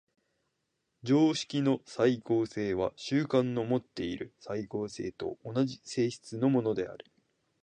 常識の斉合性は慣習のもっている斉合性と同じ性質のものである。